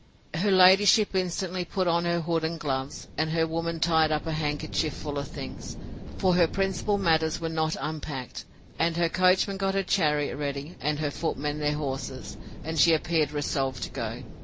Her ladyship instantly put on her hood and gloves, and her woman tied up a handkerchief full of things; for her principal matters were not unpacked; and her coachman got her chariot ready, and her footmen their horses; and she appeared resolved to go.